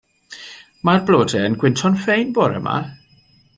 Ma'r blode yn gwynto'n ffein bore 'ma.